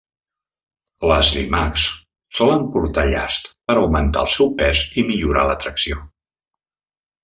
Les llimacs solen portar llast per augmentar el seu pes i millorar la tracció.